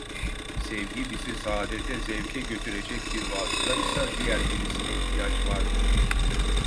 Sevgi bizi saadete, zevke götürecek bir vasıtaysa diğer birisine ihtiyaç vardır.